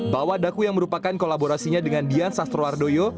bawa daku yang merupakan kolaborasinya dengan diasasro ardoyo